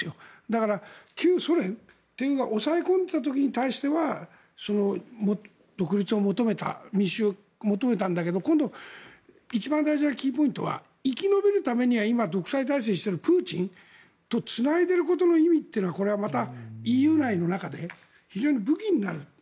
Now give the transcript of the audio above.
だから、旧ソ連というのが抑え込んでた時に対しては独立を民衆は求めたんだけど今度、一番大事なキーポイントは生き延びるためには今、独裁体制を敷ているプーチンとつないでいることの意味というのはこれはまたＥＵ内の中で非常に武器になる。